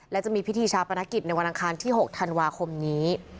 และจะมีพิธีชาปนกิจในวันอังคารที่๖ธันวาคมนี้